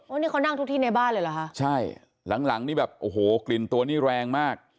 นี่เขานั่งทุกที่ในบ้านเลยเหรอคะใช่หลังหลังนี่แบบโอ้โหกลิ่นตัวนี้แรงมาก